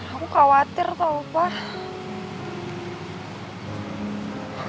aku khawatir tau pak